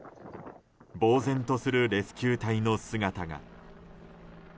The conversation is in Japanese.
ぼうぜんとするレスキュー隊の姿が。